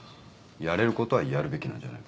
やれることはやるべきなんじゃないかな。